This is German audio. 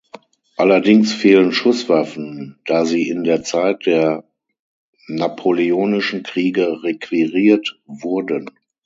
Allerdings fehlen Schusswaffen, da sie in der Zeit der napoleonischen Kriege requiriert wurden.